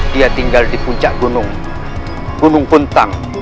dia tinggal di puncak gunung gunung puntang